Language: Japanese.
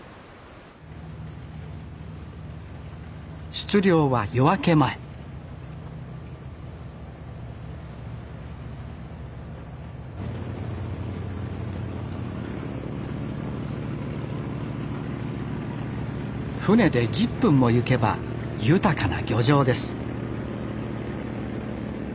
出漁は夜明け前船で１０分も行けば豊かな漁場です